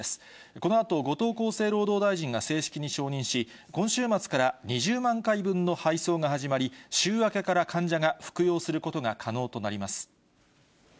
このあと後藤厚生労働大臣が正式に承認し、今週末から２０万回分の配送が始まり、週明けから患者が服用することが可能となります。